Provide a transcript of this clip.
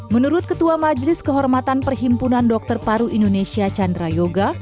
menurut ketua majelis kehormatan perhimpunan dokter paru indonesia chandra yoga